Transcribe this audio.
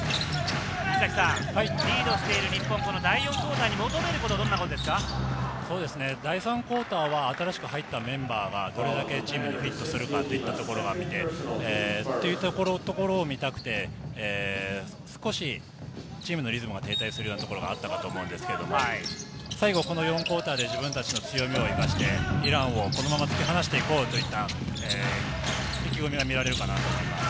リードしている日本、第４クオーターに第３クオーターは新しく入ったメンバーがどれだけチームにフィットするかといったところを見たくて少しチームのリズムが停滞するところがあったかと思うんですけれども、最後、この４クオーターで自分たちの強みを生かしてイランをこのまま突き放して行こうといった意気込みが見られるかなと思います。